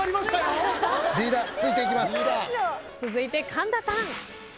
続いて神田さん。